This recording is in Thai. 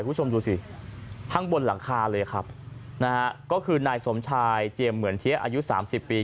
คุณผู้ชมดูสิข้างบนหลังคาเลยครับนะฮะก็คือนายสมชายเจียมเหมือนเทียอายุสามสิบปี